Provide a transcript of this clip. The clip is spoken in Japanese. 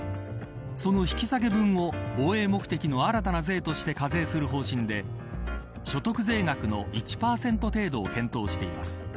その引き下げ分を防衛目的の新たな税として課税する方針で所得税額の１％程度を検討しています。